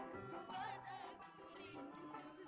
membuat aku raibah ku kebayang